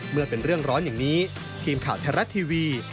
เมื่อเป็นเรื่องร้อนอย่างนี้ทีมข่าวไทยรัฐทีวี